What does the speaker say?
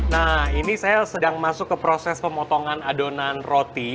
nah ini saya sedang masuk ke proses pemotongan adonan roti